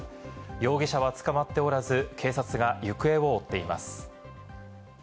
容疑者は捕まっておらず、警察が行方を追っています。